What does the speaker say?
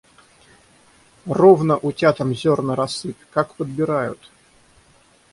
Ровно утятам зерна рассыпь, как подбирают!